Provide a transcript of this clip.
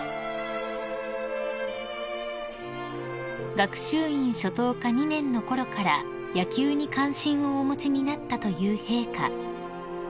［学習院初等科２年のころから野球に関心をお持ちになったという陛下］